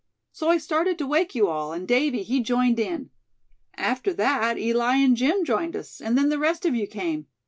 So I started to wake you all, and Davy, he joined in. After that Eli and Jim joined us, and then the rest of you came.